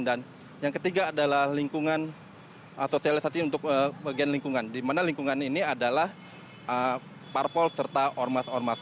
dan yang ketiga adalah lingkungan sosialisasi untuk bagian lingkungan di mana lingkungan ini adalah parpol serta ormas ormas